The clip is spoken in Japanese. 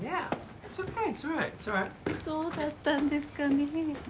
どうだったんですかねえ？